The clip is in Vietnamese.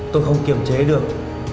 tôi không kiềm chế được